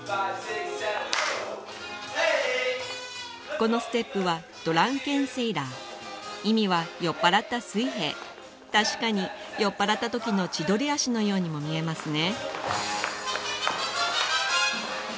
このステップはドランケンセイラー意味は酔っぱらった水兵確かに酔っぱらった時の千鳥足のようにも見えますね